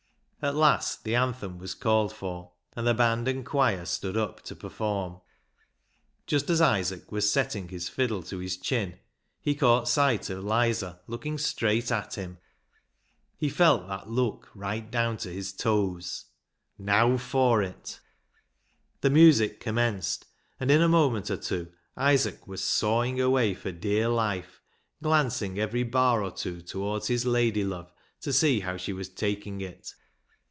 At last the anthem was called for, and the band and choir stood up to perform. Just as Isaac was settling his fiddle to his chin he caught sight of Lizer looking straight at him. 256 BECKSIDE LIGHTS He felt that look right down to his toes. Now for it ! The music commenced, and in a moment or two Isaac was sawing away for dear life, glancing every bar or two towards his lady love to see how she was taking it.